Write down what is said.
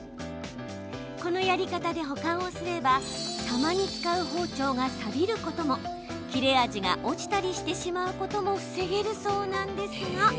このやり方で保管をすればたまに使う包丁がさびることも切れ味が落ちたりしてしまうことも防げるそうなんですが。